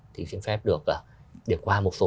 thì khiến phép được để qua một số